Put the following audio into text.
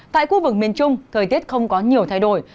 tại khu vực miền trung thời tiết không có nhiều thay đổi